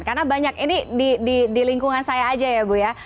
karena banyak ini di lingkungan saya aja ya bu ya